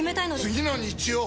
次の日曜！